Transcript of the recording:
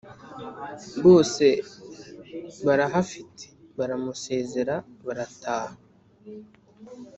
bose barahafite baramusezera barataha